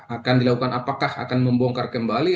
akan dilakukan apakah akan membongkar kembali